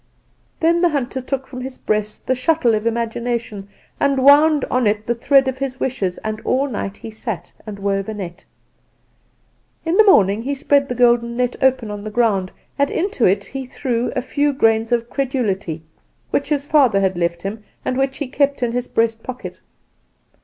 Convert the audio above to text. "Then the hunter took from his breast the shuttle of Imagination, and wound on it the thread of his Wishes; and all night he sat and wove a net. "In the morning he spread the golden net upon the ground, and into it he threw a few grains of credulity, which his father had left him, and which he kept in his breast pocket.